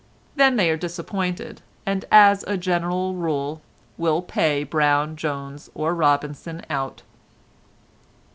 Then they are disappointed, and as a general rule will pay Brown, Jones or Robinson out.